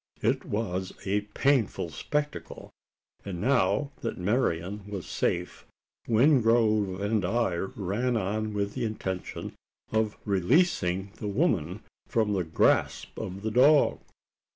It was a painful spectacle; and now that Marian was safe, Wingrove and I ran on with the intention of releasing the woman from the grasp of the dog.